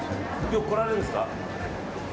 よく来られるんですか？